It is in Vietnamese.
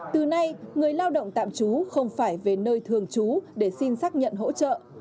từ nay người lao động tạm trú không phải về nơi thường trú để xin xác nhận hỗ trợ